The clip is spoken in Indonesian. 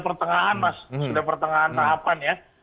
pertengahan mas sudah pertengahan tahapan ya